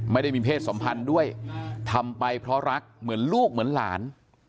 ไม่ได้มีเพศสัมพันธ์ด้วยทำไปเพราะรักเหมือนลูกเหมือนหลาน